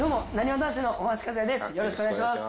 よろしくお願いします。